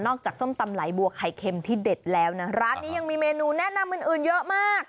ส้มตำไหลบัวไข่เค็มที่เด็ดแล้วนะร้านนี้ยังมีเมนูแนะนำอื่นเยอะมาก